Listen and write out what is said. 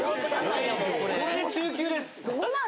これで中級です。